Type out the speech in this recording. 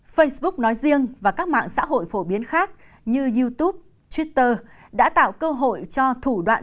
facebook nói riêng và các mạng xã hội phổ biến khác như youtube twitter đã tạo cơ hội cho thủ đoạn